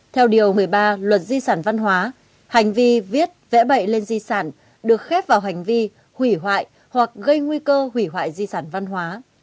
theo điều một mươi ba luật di sản văn hóa hành vi viết vẽ bậy lên di sản được khép vào hành vi hủy hoại hoặc gây nguy cơ hủy hoại di sản văn hóa